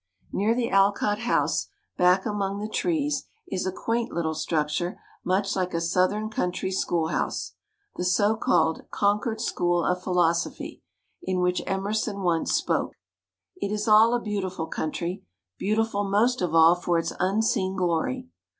Near the Alcott House, back among the trees, is a quaint little structure much like a Southern coun try schoolhouse the so called Concord School of Philosophy, in which Emerson once spoke. It is all a beautiful country beautiful most of all for its unseen glory.